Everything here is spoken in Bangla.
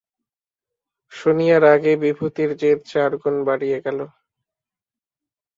শুনিয়া রাগে বিভূতির জেদ চার গুণ বাড়িয়া গেল।